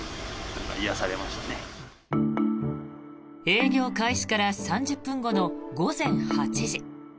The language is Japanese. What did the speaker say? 営業開始から３０分後の午前８時。